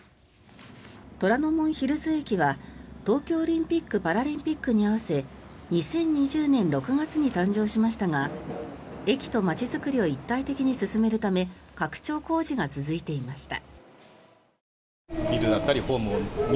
虎ノ門ヒルズ駅は東京オリンピック・パラリンピックに合わせ２０２０年６月に誕生しましたが駅と街づくりを一体的に進めるため拡張工事が続いていました。